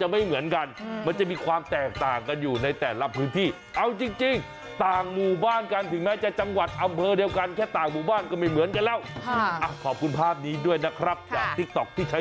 ชาวบ้านเขาก็นำอาหารคาวหวานผลไม้แล้วก็สุรา